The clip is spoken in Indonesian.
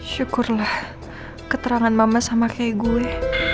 syukurlah keterangan mama sama kayak gue